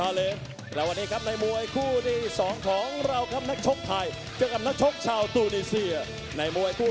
เอาล่ะครับเราไปพบกับนักชกในมุมน้ำเงินจากทูนิเซียกันก่อน